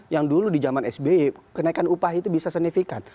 yang dulu di zaman sby kenaikan upah itu bisa senifikan